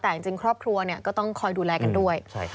แต่จริงครอบครัวก็ต้องคอยดูแลกันด้วย